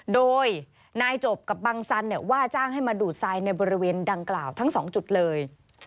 โดยนายจบกับบังสันว่าจ้างให้มาดูดทรายในบริเวณดังกล่าวทั้ง๒จุดเลย